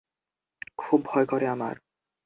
খুব ভয় করে আমার!